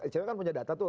cewek kan punya data tuh